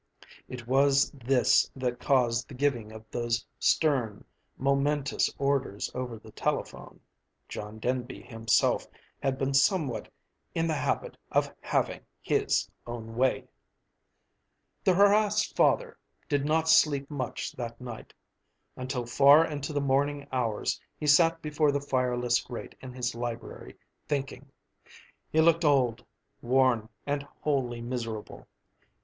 It was this that caused the giving of those stern, momentous orders over the telephone John Denby himself had been somewhat in the habit of having his own way! The harassed father did not sleep much that night. Until far into the morning hours he sat before the fireless grate in his library, thinking. He looked old, worn, and wholly miserable.